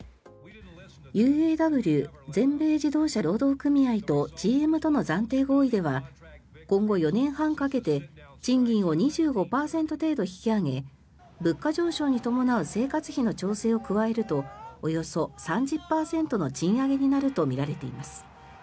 ＵＡＷ・全米自動車労働組合とＧＭとの暫定合意では今後４年半かけて賃金を２５％程度引き上げ物価上昇に伴う生活費の調整を加えるとおよそ３０％の賃上げになるとみられています。